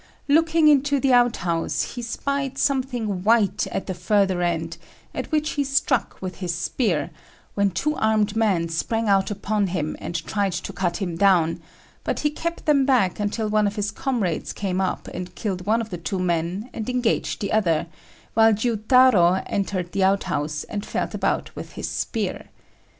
Looking into the outhouse, he spied something white at the further end, at which he struck with his spear, when two armed men sprang out upon him and tried to cut him down, but he kept them back until one of his comrades came up and killed one of the two men and engaged the other, while Jiutarô entered the outhouse and felt about with his spear.